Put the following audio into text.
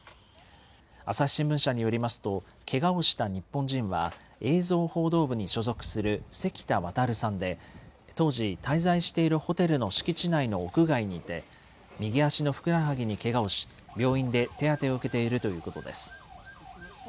朝日新聞社によりますと、けがをした日本人は、映像報道部に所属する関田航さんで、当時、滞在しているホテルの敷地内の屋外にいて、右足のふくらはぎにけがをし、病院で手当てを受けているということです。